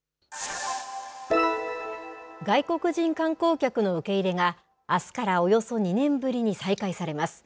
外国人観光客の受け入れが、あすからおよそ２年ぶりに再開されます。